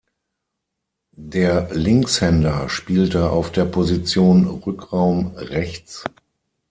Der Linkshänder spielte auf der Position Rückraum rechts.